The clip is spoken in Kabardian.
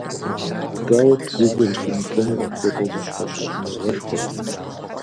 Дауэт гу зэрылъумытэнур апхуэдэ зэщхьэщыкӀыныгъэшхуэм?